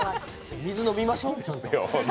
水飲みましょう、ちゃんと。